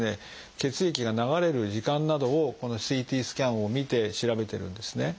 血液が流れる時間などをこのＣＴスキャンを見て調べてるんですね。